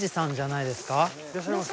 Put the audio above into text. いらっしゃいます。